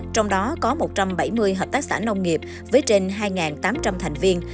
trong đó có một trăm bảy mươi hợp tác xã nông nghiệp với trên hai tám trăm linh thành viên